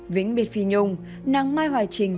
vĩnh biệt phi nhung nàng mai hoài trinh